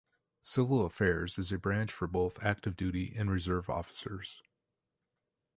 Civil Affairs is a branch for both active duty and reserve officers.